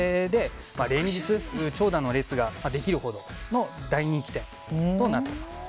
連日、長蛇の列ができるほどの大人気店となっています。